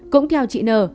cũng theo chị n